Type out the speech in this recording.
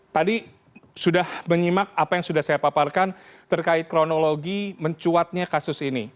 tadi sudah menyimak apa yang sudah saya paparkan terkait kronologi mencuatnya kasus ini